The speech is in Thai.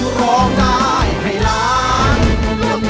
หุ้นเปียกร้อง